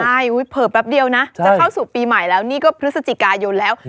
ใช่เผลอแป๊บเดียวนะจะเข้าสู่ปีใหม่แล้วนี่ก็พฤศจิกายนแล้ว